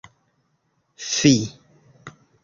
fi